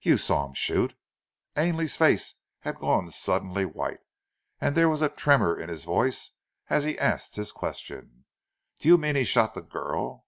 "You saw him shoot?" Ainley's face had gone suddenly white, and there was a tremor in his voice as he asked his questions. "Do you mean he shot the girl?"